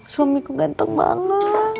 suamiku ganteng banget